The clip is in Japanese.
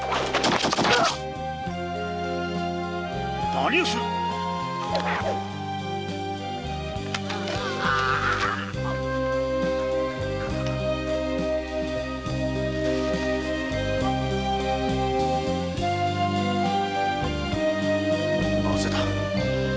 何をするっ⁉なぜだ。